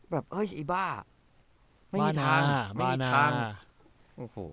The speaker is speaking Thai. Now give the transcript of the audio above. แบบเอ้ยไอ้บ้าไม่มีทางไม่มีทาง